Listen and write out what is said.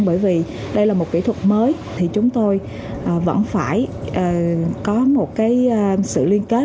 bởi vì đây là một kỹ thuật mới thì chúng tôi vẫn phải có một sự liên kết